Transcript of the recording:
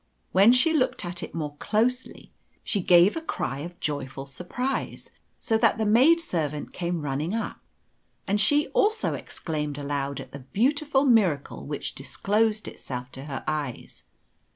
When she looked at it more closely she gave a cry of joyful surprise, so that the maid servant came running up; and she also exclaimed aloud at the beautiful miracle which disclosed itself to her eyes.